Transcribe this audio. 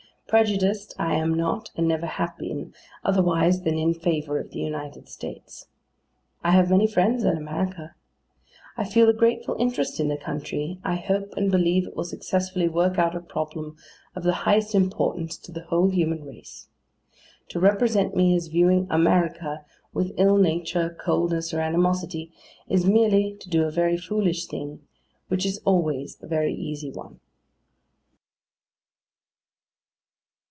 Prejudiced, I am not, and never have been, otherwise than in favour of the United States. I have many friends in America, I feel a grateful interest in the country, I hope and believe it will successfully work out a problem of the highest importance to the whole human race. To represent me as viewing AMERICA with ill nature, coldness, or animosity, is merely to do a very foolish thing: which is always a very easy one.